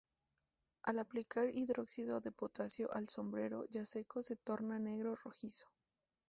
Al aplicar hidróxido de potasio al sombrero ya seco se torna negro rojizo.